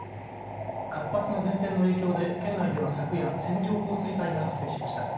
活発な前線の影響で県内では昨夜線状降水帯が発生しました。